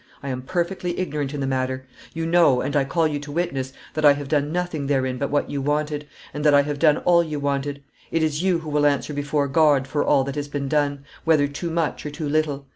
"I am perfectly ignorant in the matter; you know, and I call you to witness, that I have done nothing therein but what you wanted, and that I have done all you wanted. It is you who will answer before God for all that has been done, whether too much or too little.